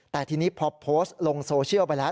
แต่ทีนี้พอโพสต์ลงโซเชียลไปแล้ว